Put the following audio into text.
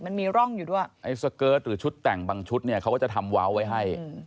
มันมีร่องอยู่ด้วยไอ้สเกิร์ตหรือชุดแต่งบางชุดเนี่ยเขาก็จะทำเว้าไว้ให้